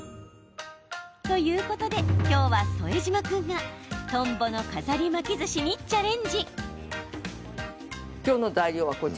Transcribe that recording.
ということで、今日は副島君がトンボの飾り巻きずしにチャレンジ。